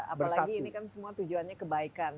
apalagi ini kan semua tujuannya kebaikan